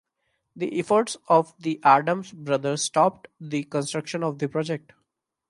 The efforts of the Adams brothers stopped the construction of the project.